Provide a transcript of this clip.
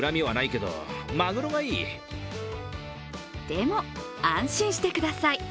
でも、安心してください。